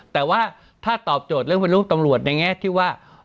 แต่ว่าถ้าตอบโจทย์เรื่องเป็นลูกตำรวจในแง่ที่ว่า